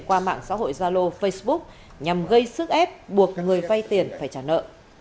qua mạng xã hội gia lô facebook nhằm gây sức ép buộc người vay tiền phải trả nợ